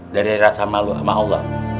dari rasa malu sama allah